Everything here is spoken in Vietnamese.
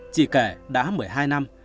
chị kể đã một mươi hai năm